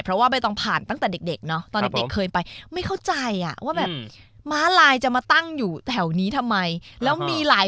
เพราะไม่ต้องผ่านตั้งแต่เด็กเนอะ